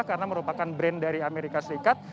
karena merupakan brand dari amerika serikat